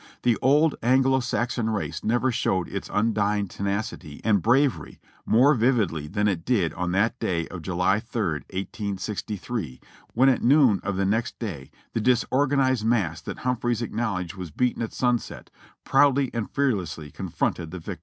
The old Anglo Saxon race never showed its un dying tenacity and bravery more vividly than it did on that day of July 3rd, 1863, w^hen at noon of the next day the disorganized mass that Humphreys acknowledged was beaten at sunset, proudly and fearlesslv confronted the victor.